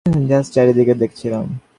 Just চারিদিকে দেখছিলাম।